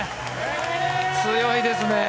強いですね。